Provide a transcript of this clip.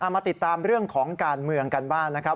มาติดตามเรื่องของการเมืองกันบ้างนะครับ